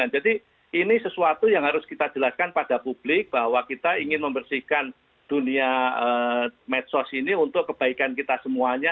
jadi ini sesuatu yang harus kita jelaskan pada publik bahwa kita ingin membersihkan dunia medsos ini untuk kebaikan kita semuanya